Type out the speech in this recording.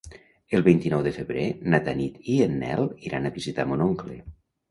El vint-i-nou de febrer na Tanit i en Nel iran a visitar mon oncle.